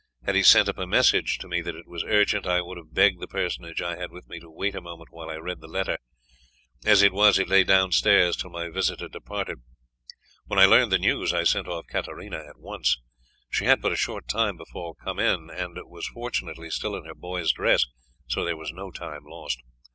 Had he sent up a message to me that it was urgent, I would have begged the personage I had with me to wait a moment while I read the letter. As it was, it lay downstairs till my visitor departed. When I learned the news I sent off Katarina at once. She had but a short time before come in, and was fortunately still in her boy's dress, so there was no time lost.